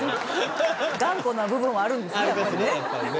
頑固な部分はあるんですね。